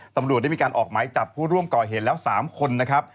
ตำรวจได้มีการออกหมายจับผู้ร่วมก่อเหตุแล้ว๓คนนะครับ